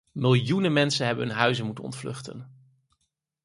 Miljoenen mensen hebben hun huizen moeten ontvluchten.